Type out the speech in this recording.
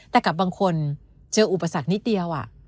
แต่กับบางคนเจออุปสรรคนิดเดียว